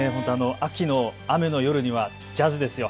秋の雨の夜にはジャズですよ。